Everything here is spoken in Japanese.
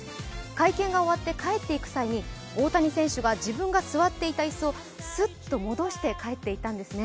会見が終わって帰っていく際に大谷選手が自分が座っていた椅子をすっと戻して帰っていったんですね。